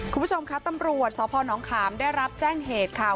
คุณผู้ชมคะตำรวจสพนขามได้รับแจ้งเหตุค่ะ